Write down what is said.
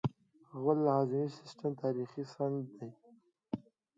غول د هاضمې تاریخي سند دی.